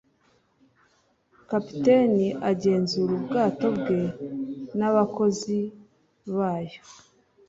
Kapiteni agenzura ubwato bwe n'abakozi bayo.